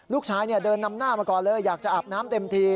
ลูกชายเดินนำหน้ามาก่อนเลยอยากจะอาบน้ำเต็มที